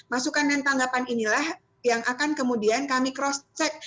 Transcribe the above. masukan dan tanggapan inilah yang akan kemudian kami cross check